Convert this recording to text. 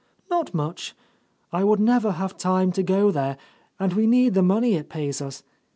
"Not much. I would never have time to go there, and we need the money it pays us.